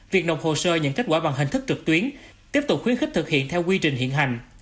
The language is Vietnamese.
việc nộp hồ sơ nhận kết quả bằng hình thức trực tuyến tiếp tục khuyến khích thực hiện theo quy trình hiện hành